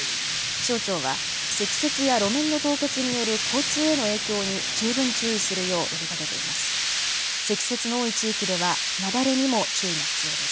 気象庁は積雪や路面の凍結による交通への影響に十分注意するよう呼びかけています。